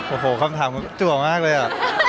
โอ้โหคำถามจัวมากเลยอ่ะ